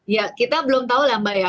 ya kita belum tahu lah mbak ya